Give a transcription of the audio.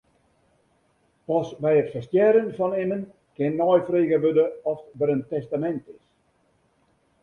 Pas by it ferstjerren fan immen kin neifrege wurde oft der in testamint is.